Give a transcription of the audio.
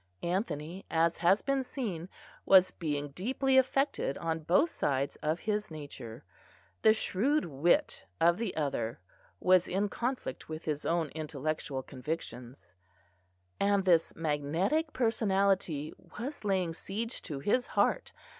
Anthony, as has been seen, was being deeply affected on both sides of his nature; the shrewd wit of the other was in conflict with his own intellectual convictions, and this magnetic personality was laying siege to his heart.